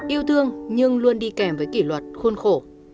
yêu thương nhưng luôn đi kèm với kỷ luật khôn khổ